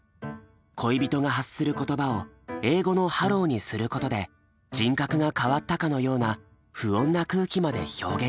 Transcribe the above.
恋人が発する言葉を英語の「Ｈｅｌｌｏ」にすることで人格が変わったかのような不穏な空気まで表現した。